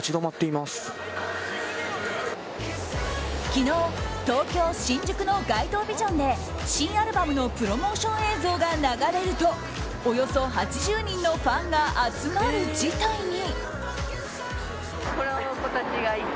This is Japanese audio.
昨日東京・新宿の街頭ビジョンで新アルバムのプロモーション映像が流れるとおよそ８０人のファンが集まる事態に。